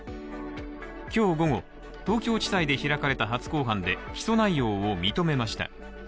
今日午後、東京地裁で開かれた初公判で起訴内容を認めました。